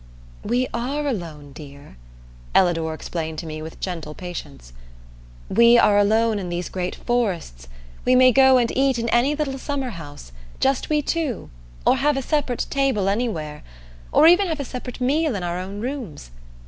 "We are alone, dear," Ellador explained to me with gentle patience. "We are alone in these great forests; we may go and eat in any little summer house just we two, or have a separate table anywhere or even have a separate meal in our own rooms.